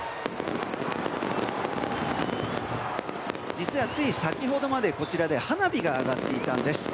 実は、つい先ほどまでこちらで花火が上がっていたんです。